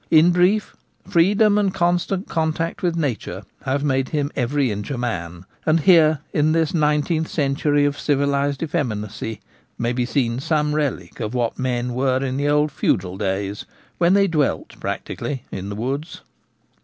In brief, freedom and constant contact with nature have made him every inch a man ; and here in this nineteenth century of civilised effeminacy may be seen some relic of what men were in the old feudal days when they dwelt practically in the woods.